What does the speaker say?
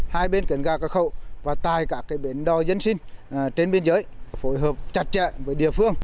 hai bên kiểm tra các khẩu và tại các bến đò dân sinh trên biên giới phối hợp chặt chẽ với địa phương